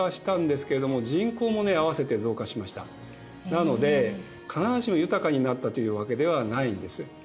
なので必ずしも豊かになったというわけではないんです。